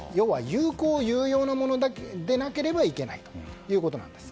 有効、有用なものでなければいけないということなんです。